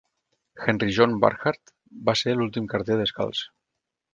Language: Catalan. Henry John Burkhardt va ser l'últim carter descalç.